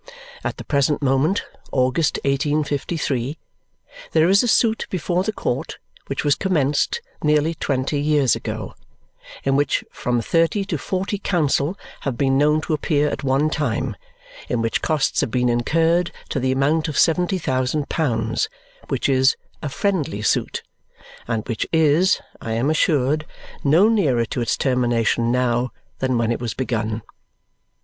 At the present moment (August, 1853) there is a suit before the court which was commenced nearly twenty years ago, in which from thirty to forty counsel have been known to appear at one time, in which costs have been incurred to the amount of seventy thousand pounds, which is A FRIENDLY SUIT, and which is (I am assured) no nearer to its termination now than when it was begun.